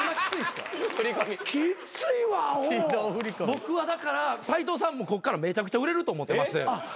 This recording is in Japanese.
僕はだから斉藤さんこっからめちゃくちゃ売れると思ってまして。